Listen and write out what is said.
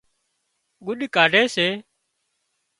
ڳُڏ ڪاڍي سي